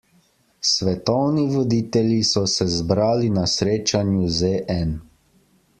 Svetovni voditelji so se zbrali na srečanju ZN.